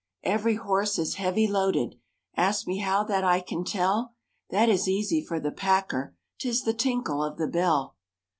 Every horse is heavy loaded; Ask me how that I can tell? That is easy for the packer, 'Tis the tinkle of the bell.